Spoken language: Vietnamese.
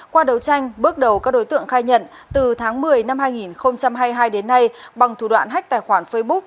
qua đấu tranh bước đầu các đối tượng khai nhận từ tháng một mươi năm hai nghìn hai mươi hai đến nay bằng thủ đoạn hách tài khoản facebook